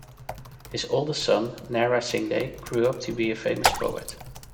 His oldest son, Nara Singde, grew up to be a famous poet.